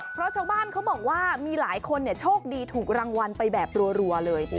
เพราะชาวบ้านเขาบอกว่ามีหลายคนโชคดีถูกรางวัลไปแบบรัวเลย